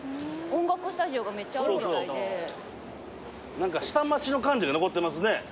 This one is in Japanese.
何か下町の感じが残ってますね。